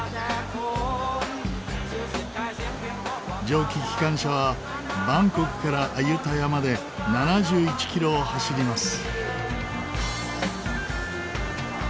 蒸気機関車はバンコクからアユタヤまで７１キロを走ります。